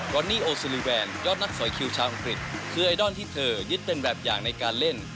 วันนี้โอซิลิแวนยอดนักสอยคิวชาวอังกฤษคือไอดอลที่เธอยึดเป็นแบบอย่างในการเล่น